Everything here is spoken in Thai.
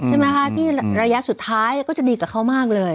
ใช่ไหมคะที่ระยะสุดท้ายก็จะดีกับเขามากเลย